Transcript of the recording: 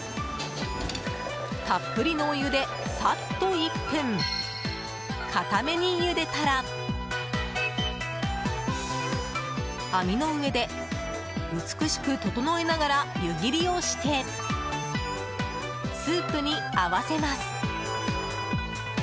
たっぷりのお湯でさっと１分硬めにゆでたら網の上で美しく整えながら湯切りをしてスープに合わせます。